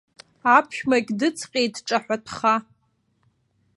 Аԥшәмагь дыҵҟьеит дҿаҳәатәха.